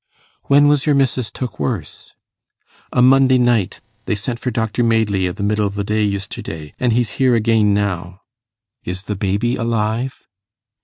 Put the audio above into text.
'When was your missis took worse?' 'O' Monday night. They sent for Dr Madeley i' the middle o' the day yisterday, an' he's here again now.' 'Is the baby alive?